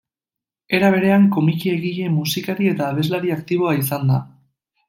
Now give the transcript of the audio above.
Era berean, komiki egile, musikari eta abeslari aktiboa izan da.